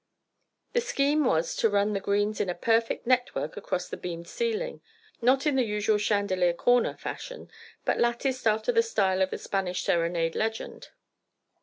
The scheme was to run the greens in a perfect network across the beamed ceiling, not in the usual "chandelier corner" fashion, but latticed after the style of the Spanish serenade legend.